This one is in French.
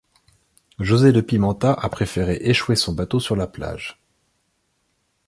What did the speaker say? José de Pimenta a préféré échouer son bateau sur la plage.